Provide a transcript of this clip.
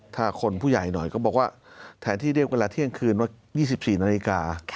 ถ้าคนผู้ใหญ่หน่อยก็บอกว่าแทนที่เรียกเวลาเที่ยงคืนว่า๒๔นาฬิกา